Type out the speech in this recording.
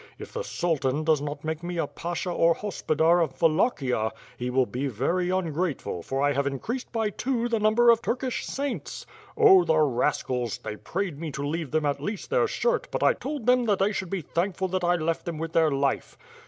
If the sultan does not make me a pasha or hospodar of Wallachia, he will be very un grateful, for I have increasod by two the number of Turkish saints. Oh! the rascals! they prayed me to leave them at least their shirt but I told them that they should be thankful that 1 left them with their life.